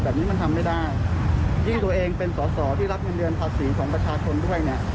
แบบนี้มันทำไม่ได้ยิ่งตัวเองเป็นสอสอที่รับเงินเดือนภาษีของประชาชนด้วยเนี่ย